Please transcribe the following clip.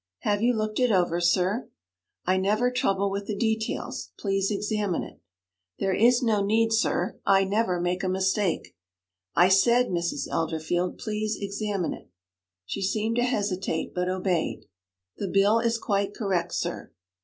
'Have you looked it over, sir?' 'I never trouble with the details. Please examine it.' 'There is no need, sir. I never make a mistake.' 'I said, Mrs. Elderfield, please examine it.' She seemed to hesitate, but obeyed. 'The bill is quite correct, sir.'